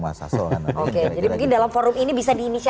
jadi mungkin dalam forum ini bisa diinisiasi ya